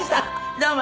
どうも。